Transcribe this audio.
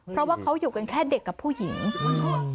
เพราะว่าเขาอยู่กันแค่เด็กกับผู้หญิงอืม